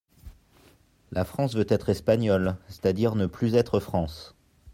La France veut être Espagnole, c'est-à-dire ne plus être France.